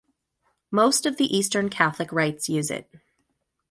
Most of the Eastern Catholic Rites use it.